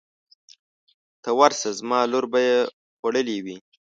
ته ورشه زما لور به یې خوړلې وي.